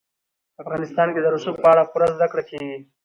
په افغانستان کې د رسوب په اړه پوره زده کړه کېږي.